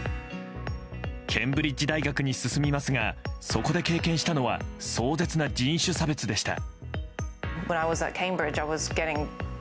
ケンブリッジ大学に進みますがそこで経験したのは壮絶な人種差別でした。